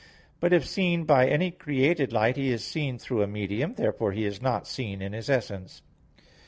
But if seen by any created light, He is seen through a medium. Therefore He is not seen in His essence.